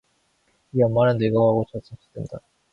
네 엄마는 늙어가고 젖은 시든다.